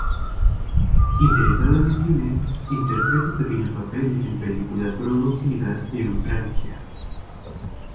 Interesado en el cine, interpretó pequeños papeles en películas producidas en Francia.